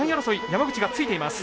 山口がついています。